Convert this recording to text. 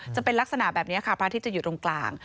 จะเป็นลักษณะแบบนี้ค่ะพระอาทิตย์จะอยู่ตรงกลาง